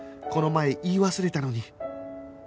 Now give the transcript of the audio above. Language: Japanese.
この前言い忘れたのに